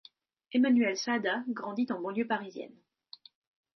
Emmanuelle Saada grandit en banlieue parisienne.